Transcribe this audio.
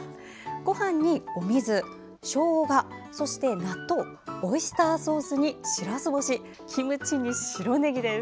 ごはんにお水、しょうがそして納豆、オイスターソースにしらす干し、キムチに白ねぎです。